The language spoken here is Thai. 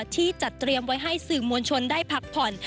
ที่จัดเตรียมไว้ให้สื่อมวลชนได้พักผ่อน